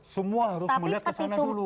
semua harus melihat kesana dulu